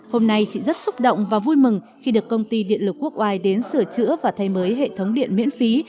hôm nay chị rất xúc động và vui mừng khi được công ty điện lực quốc oai đến sửa chữa và thay mới hệ thống điện miễn phí